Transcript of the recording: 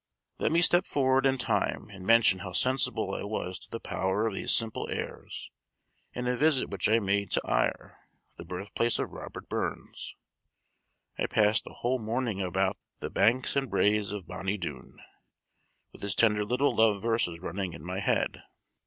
Let me step forward in time, and mention how sensible I was to the power of these simple airs, in a visit which I made to Ayr, the birthplace of Robert Burns. I passed a whole morning about "the banks and braes of bonnie Doon," with his tender little love verses running in my head.